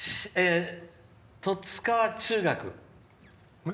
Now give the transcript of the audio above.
十津川中学。